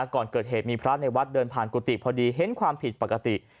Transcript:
ก่อนเกิดเหตุมีพระในวัดเดินผ่านกุฏิพอดีเห็นความผิดปกติ